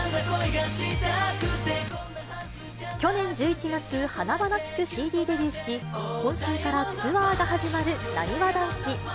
去年１１月、華々しくＣＤデビューし、今週からツアーが始まるなにわ男子。